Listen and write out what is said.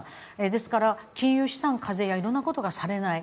ですから、金融資産課税やいろんなことがされない。